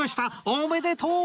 おめでとう！